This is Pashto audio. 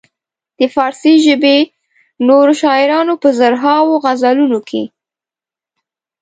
د فارسي ژبې نورو شاعرانو په زرهاوو غزلونو کې.